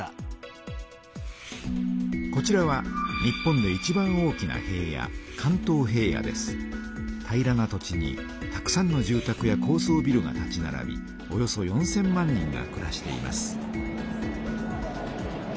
こちらは日本でいちばん大きな平野平らな土地にたくさんの住たくや高そうビルが立ちならびおよそ４，０００万人がくらしています。